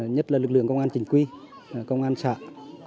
nhất là lực lượng công an chỉnh quy công an xã